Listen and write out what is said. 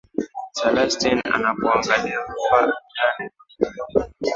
selastin unapoangalia hapa uganda